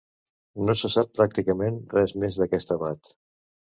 No se sap pràcticament res més d'aquest abat.